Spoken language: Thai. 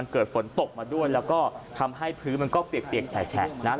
เกิดฝนตกมาด้วยและทำให้พื้นเปลี่ยกฉัย